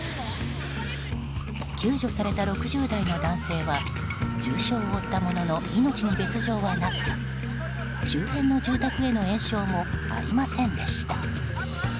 救助された６０代の男性は重傷を負ったものの命に別条はなく周辺の住宅への延焼もありませんでした。